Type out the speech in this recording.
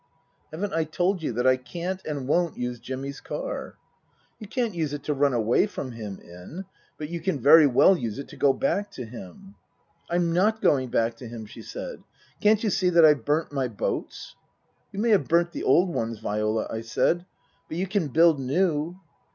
" Haven't I told you that I can't and won't use Jimmy's car?" " You can't use it to run away from him in ; but you can very well use it to go back to him." " I'm not going back to him," she said. " Can't you see that I've burnt my boats ?"" You may have burnt the old ones, Viola," I said. " But you can build new."